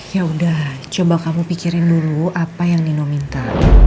ya udah coba kamu pikirin dulu apa yang nino minta